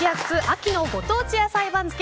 秋のご当地野菜番付。